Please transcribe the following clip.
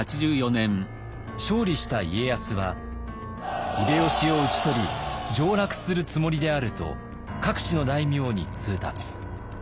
勝利した家康は「秀吉を討ち取り上らくするつもりである」と各地の大名に通達。